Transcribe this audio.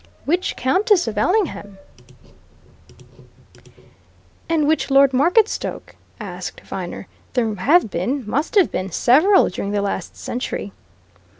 "Which Countess of Ellingham, and which Lord Marketstoke?" asked Viner. "There have been must have been several during the last century."